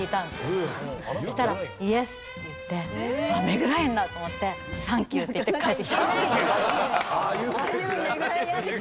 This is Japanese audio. そしたら「イエス」って言ってあっメグ・ライアンだと思って「サンキュー！」って言って帰ってきた。